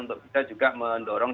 tidak dapat dibuka